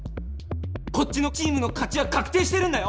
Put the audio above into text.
こっちのチームの勝ちは確定してるんだよ。